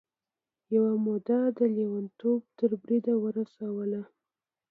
يوه مو د لېونتوب تر بريده ورسوله.